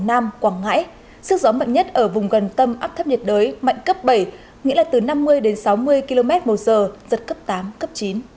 nam quảng ngãi sức gió mạnh nhất ở vùng gần tâm áp thấp nhiệt đới mạnh cấp bảy nghĩa là từ năm mươi sáu mươi kmh giật cấp tám cấp chín